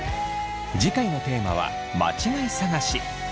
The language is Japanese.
次回のテーマは「間違い探し」。